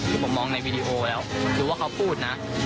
คือผมมองในวีดีโอแล้วคือว่าเขาพูดนะ